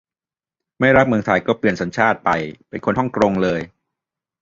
ไม่รักเมืองไทย ก็เปลี่ยนสัญชาติไปเป็นคนห้องกรงเลย !